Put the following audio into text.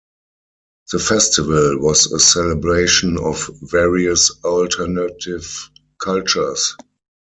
The festival was a celebration of various alternative cultures.